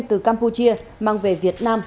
từ campuchia mang về việt nam